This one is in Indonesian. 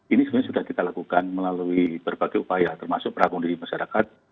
ini sebenarnya sudah kita lakukan melalui berbagai upaya termasuk perakuan diri masyarakat